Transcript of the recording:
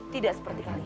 tidak seperti kalian